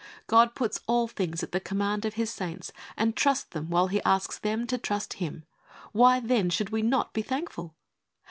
God puts all things at the command of His saints, and trusts them while He asks them to trust Him. Why, then, should we not be thankful